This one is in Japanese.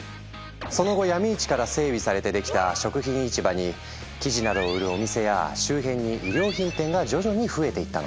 その後闇市から整備されてできた食品市場に生地などを売るお店や周辺に衣料品店が徐々に増えていったの。